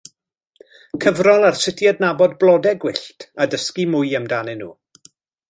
Cyfrol ar sut i adnabod blodau gwyllt a dysgu mwy amdanyn nhw.